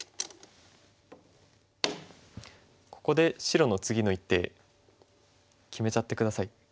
ここで白の次の一手決めちゃって下さい。